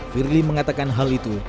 firly mengatakan hal itu